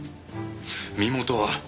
身元は？